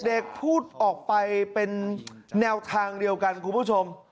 เด็กพูดออกไปเป็นแนวทางเดียวกันคุณผู้ชม